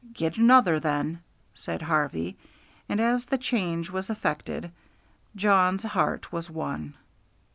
"Get another, then," said Harvey, and as the change was effected Jawn's heart was won.